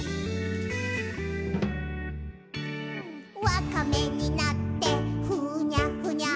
「わかめになってふにゃふにゃ」